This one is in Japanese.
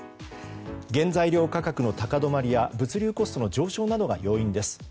原材料価格の高止まりや物流コストの上昇などが要因です。